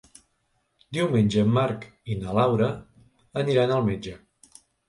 Diumenge en Marc i na Laura aniran al metge.